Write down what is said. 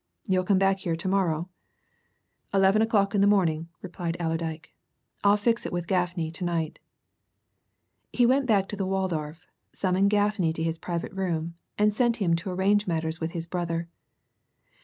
You'll come here to morrow?" "Eleven o'clock in the morning," replied Allerdyke. "I'll fix it with Gaffney to night." He went back to the Waldorf, summoned Gaffney to his private room, and sent him to arrange matters with his brother.